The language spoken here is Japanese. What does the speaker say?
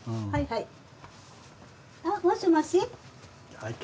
はいはい。